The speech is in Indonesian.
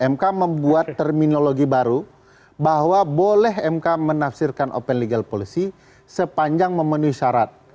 mk membuat terminologi baru bahwa boleh mk menafsirkan open legal policy sepanjang memenuhi syarat